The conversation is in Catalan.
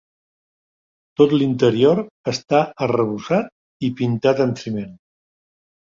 Tot l'interior està arrebossat i pintat amb ciment.